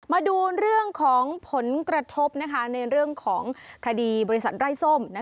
มาดูเรื่องของผลกระทบในเรื่องของคดีบริษัทไร้ส้ม